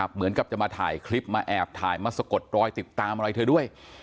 เหมือนกับจะมาถ่ายคลิปมาแอบถ่ายมาสะกดรอยติดตามอะไรเธอด้วย